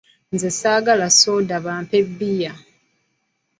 Nze saagala soda bampe bbiya.